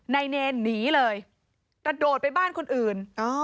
นายเนรหนีเลยกระโดดไปบ้านคนอื่น